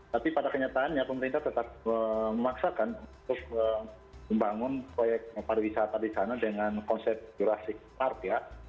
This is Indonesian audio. tapi pada kenyataannya pemerintah tetap memaksakan untuk membangun proyek hari wisata di sana dengan konsep jurassic park